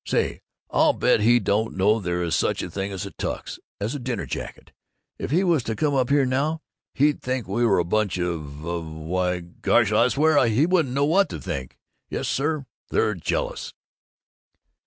Say, I'll bet he don't know there is such a thing as a Tux as a dinner jacket. If he was to come in here now, he'd think we were a bunch of of Why, gosh, I swear, he wouldn't know what to think! Yes, sir, they're jealous!"